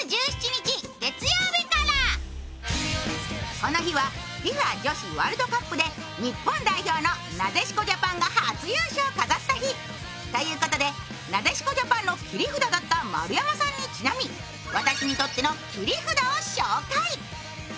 この日はＦＩＦＡ女子ワールドカップで日本代表のなでしこジャパンが初優勝を飾った日。ということでなでしこジャパンの切り札だった丸山さんにちなみ私にとっての切り札を紹介。